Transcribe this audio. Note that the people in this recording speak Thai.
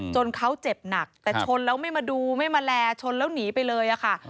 จนเขาเจ็บหนักแต่ชนแล้วไม่มาดูไม่มาแลชนแล้วหนีไปเลยค่ะ